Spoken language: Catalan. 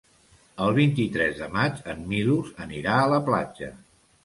El vint-i-tres de maig en Milos anirà a la platja.